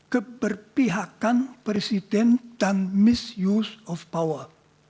keperpihakan presiden dan misuse of power